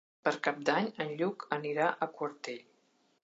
Per Cap d'Any en Lluc anirà a Quartell.